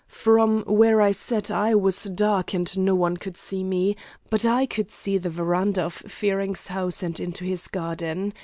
From where I sat it was dark and no one could see me, but I could see the veranda of Fearing's house and into his garden.